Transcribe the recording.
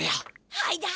はいだあ！